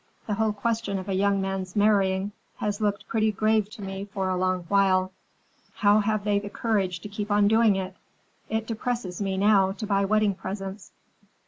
The whole question of a young man's marrying has looked pretty grave to me for a long while. How have they the courage to keep on doing it? It depresses me now to buy wedding presents."